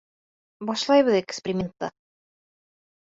Башлайбыҙ экспериментты.